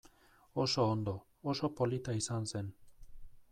Oso ondo, oso polita izan zen.